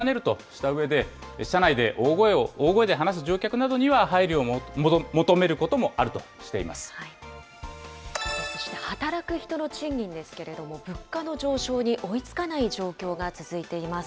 これに関連する業界ですと、ＪＲ東日本などは、乗客個人の判断に委ねるとしたうえで、車内で大声で話す乗客などには配慮を求めることもあるとしていまそして、働く人の賃金ですけれども、物価の上昇に追いつかない状況が続いています。